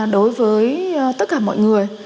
đối với tất cả mọi người